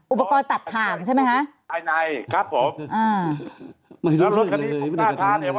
อุปกรณ์ตัดข่างใช่ไหมคะ